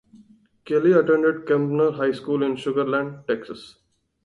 Kelley attended Kempner High School in Sugar Land, Texas.